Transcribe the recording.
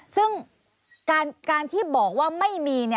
ซึ่งการที่บอกว่าไม่มี